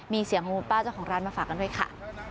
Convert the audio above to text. มีเสียงงูป้าเจ้าของร้านมาฝากกันด้วยค่ะ